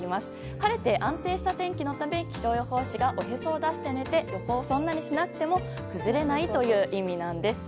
晴れて安定した天気のため気象予報士がおへそを出して寝て予報をそんなにしなくても崩れないという意味なんです。